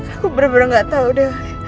aku bener bener gak tau deh